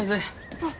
あっ。